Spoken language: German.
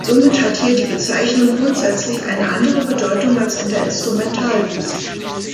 Somit hat hier die Bezeichnung grundsätzlich eine andere Bedeutung als in der Instrumentalmusik.